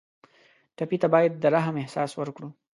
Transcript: ټپي ته باید د رحم احساس ورکړو.